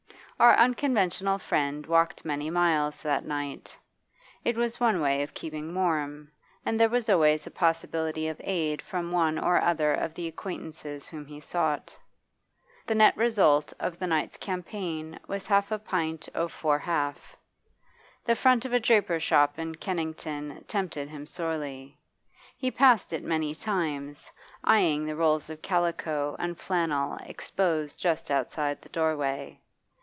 Our unconventional friend walked many miles that night. It was one way of keeping warm, and there was always a possibility of aid from one or other of the acquaintances whom he sought. The net result of the night's campaign was half a pint of 'four half.' The front of a draper's shop in Kennington tempted him sorely; he passed it many times, eyeing the rolls of calico and flannel exposed just outside the doorway.